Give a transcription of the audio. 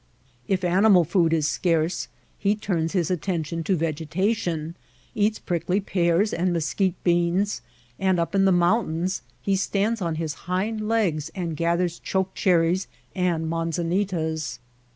If animal food is scarce he turns his attention to vegetation, eats prickly pears and mesquite beans ; and up in the mountains he stands on his hind legs and gathers choke cherries and manzanitas.